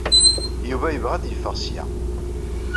Yuba yebɣa ad yeffeɣ ssya.